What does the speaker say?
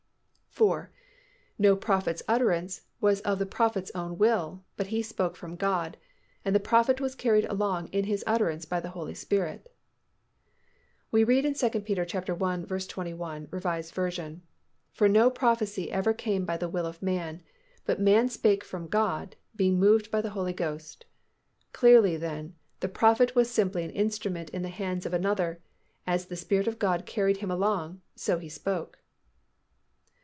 4. _No prophet's utterance was of the prophet's own will, but he spoke from God, and the prophet was carried along in his utterance by the Holy Spirit._ We read in 2 Peter i. 21, R. V., "For no prophecy ever came by the will of man: but men spake from God, being moved by the Holy Ghost." Clearly then, the prophet was simply an instrument in the hands of another, as the Spirit of God carried him along, so he spoke.